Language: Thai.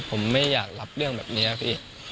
ผมไม่อยากรับเรื่องแบบนี้พี่